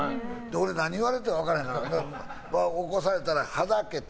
何言われてるか分からへんから起こされたらはだけて。